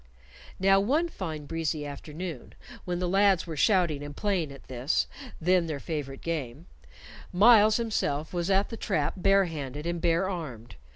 Now one fine breezy afternoon, when the lads were shouting and playing at this, then their favorite game, Myles himself was at the trap barehanded and barearmed.